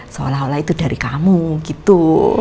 seolah olah itu dari kamu gitu